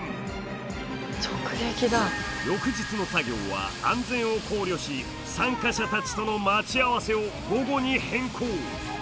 翌日の作業は安全を考慮し参加者たちとの待ち合わせを午後に変更。